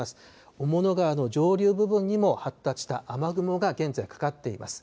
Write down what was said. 雄物川の上流部分にも発達した雨雲が現在かかっています。